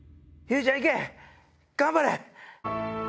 頑張れ！